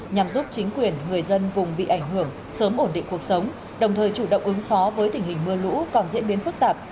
nhằm giúp chính quyền người dân vùng bị ảnh hưởng sớm ổn định cuộc sống đồng thời chủ động ứng phó với tình hình mưa lũ còn diễn biến phức tạp